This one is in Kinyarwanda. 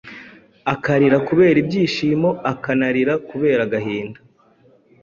akarira kubera ibyishimo akanarira kubera agahinda.